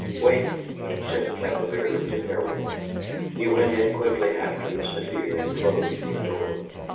"Wait!" Joe said, cavalierly, to Ariel. He went in quickly after Mr. Fear and closed the door.